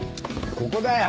ここだよ！